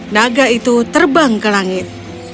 naga itu terbang ke langit